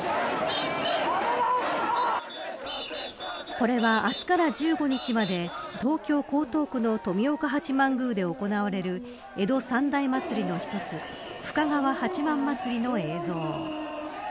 これは、明日から１５日まで東京・江東区の富岡八幡宮で行われる江戸三大祭りの一つ深川八幡祭りの映像。